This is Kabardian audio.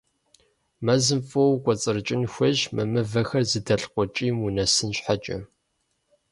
Мэзым фӀыуэ укӀуэцӀрыкӀын хуейщ мы мывэхэр зыдэлъ къуэкӀийм унэсын щхьэкӀэ.